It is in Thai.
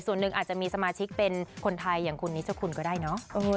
ส่วนหนึ่งอาจจะมีสมาชิกเป็นคนไทยอย่างคุณนิชคุณก็ได้เนอะ